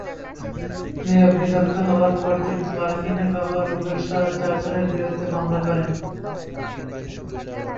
মেয়ে অগ্নিদগ্ধ হওয়ার পরদিন পারভীনের বাবা রুবেলসহ চারজনের বিরুদ্ধে মামলা করেন।